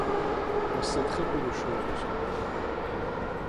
On sait très peu de choses de son règne.